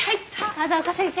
風丘先生